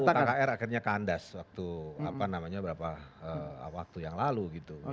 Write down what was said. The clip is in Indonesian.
kita tahu bagaimana ru tkr akhirnya kandas waktu apa namanya berapa waktu yang lalu gitu